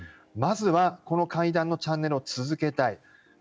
まずは、この会談のチャンネルを続けたい。